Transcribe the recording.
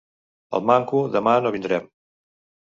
Al manco demà no vindrem.